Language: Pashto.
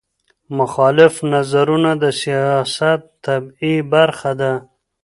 مخالف نظرونه د سیاست طبیعي برخه ده